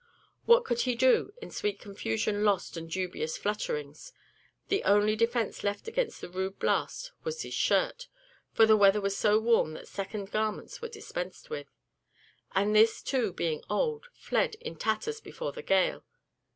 What could he do, "in sweet confusion lost and dubious flutterings" the only defence left against the rude blast, was his shirt (for the weather was so warm that second garments were dispensed with), and this too being old, fled in tatters before the gale.